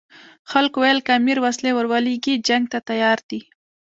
خلکو ویل که امیر وسلې ورولېږي جنګ ته تیار دي.